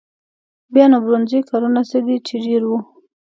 بیا نو برونزي کارونه څه دي چې ډېر وو.